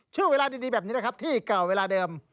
ช่วงเวลาดีแบบนี้นะครับที่เก่าเวลาเดิม